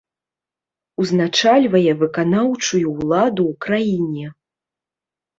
Узначальвае выканаўчую ўладу ў краіне.